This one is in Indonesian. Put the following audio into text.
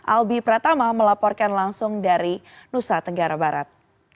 albi pratama melaporkan langsung dari nusa tenggara barat